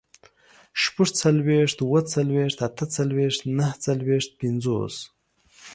شپږڅلوېښت، اووه څلوېښت، اته څلوېښت، نهه څلوېښت، پينځوس